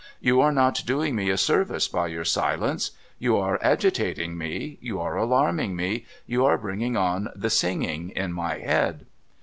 You are not doing me a service by your silence. You are agitating me, you are alarming me, you are bringing on the singing in my head.'